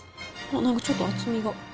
ちょっと厚みが。